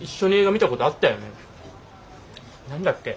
何だっけ？